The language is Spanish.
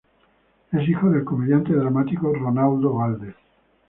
Es hijo del comediante dramático, Ronaldo Valdez.